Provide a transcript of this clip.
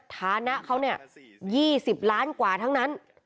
ฐานะเขาเนี่ย๒๐ล้านกว่าทั้งนั้น